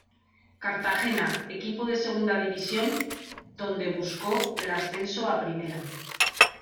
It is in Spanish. Cartagena, equipo de Segunda división, donde buscó el ascenso a Primera.